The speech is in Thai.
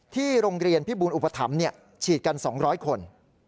ที่โรงเรียนพิบูลอุปถัมภ์ฉีดกัน๒๐๐คน